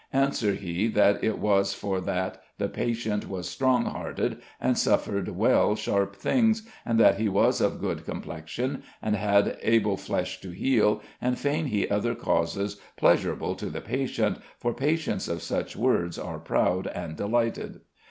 Answer he, that it was for that the patient was strong hearted and suffered well sharp things, and that he was of good complexion and had able flesh to heal, and feign he other causes pleasable to the patient, for patients of such words are proud and delighted."